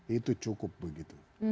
itu cukup begitu